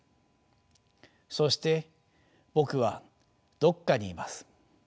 そして僕はどっかにいます。